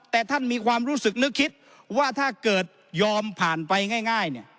แต่ท่านมีความรู้สึกนึกคิดว่าถ้าเกิดยอมผ่านไปง่ายเนี่ย